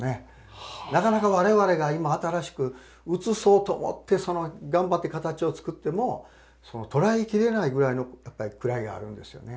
なかなか我々が今新しく写そうと思って頑張って形を作っても捉え切れないぐらいのやっぱり位があるんですよね。